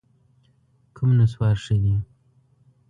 کوم نسوار ښه دي؟